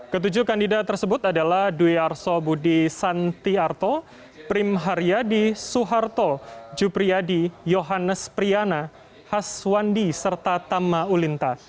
ketujuh kandidat tersebut adalah dwi arso budi santiarto prim haryadi suharto jupriyadi yohanes priyana haswandi serta tama ulinta